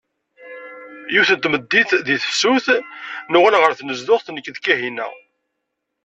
Yiwet n tmeddit deg tefsut, nuɣal ɣer tnezduɣt nekk d Kahina.